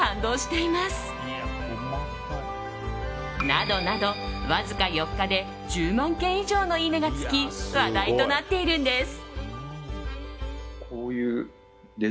などなど、わずか４日で１０万件以上のいいねがつき話題となっているんです。